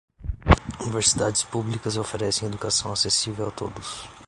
Universidades públicas oferecem educação acessível a todos.